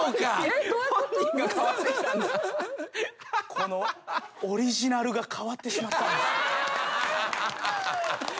このオリジナルが変わってしまったんです。